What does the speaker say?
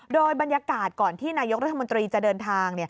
โดยบรรยากาศก่อนที่นายกรัฐมนตรีจะเดินทาง